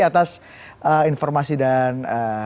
atas informasi dan